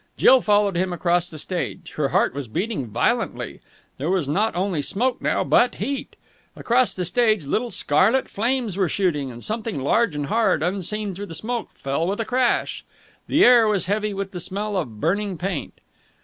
Jill followed him across the stage. Her heart was beating violently. There was not only smoke now, but heat. Across the stage little scarlet flames were shooting, and something large and hard, unseen through the smoke, fell with a crash. The air was heavy with the smell of burning paint.